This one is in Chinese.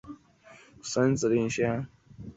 崔铣为明代理学大家。